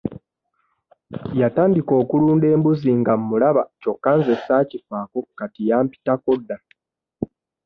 Yatandika okulunda embuzi nga mmulaba kyokka nze saakifaako kati yampitako dda.